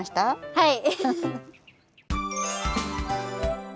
はい！